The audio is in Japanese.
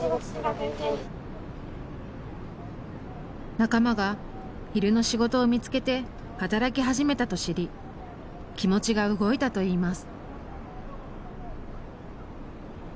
仲間が昼の仕事を見つけて働き始めたと知り気持ちが動いたといいます。